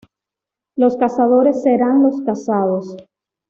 Los cazadores serán los cazados.